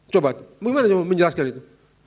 coba gimana menjelaskan itu